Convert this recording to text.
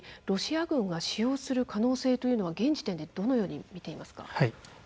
ロシア軍が使用する可能性というのは現時点でどのように見ていますか？